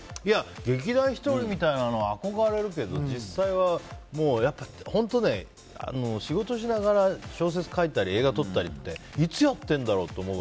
劇団ひとりみたいなのは憧れるけど、実際は本当ね仕事しながら小説書いたり映画撮ったりとかいつやってんだろうって思う。